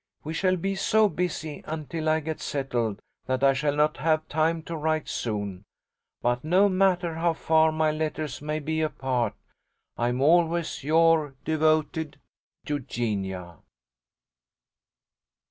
We shall be so busy until I get settled that I shall not have time to write soon; but no matter how far my letters may be apart, I am always your devoted EUGENIA."